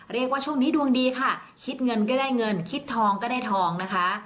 เรียกว่าช่วงนี้ดวงดีค่ะคิดเงินก็ได้เงินคิดทองก็ได้ทองนะคะ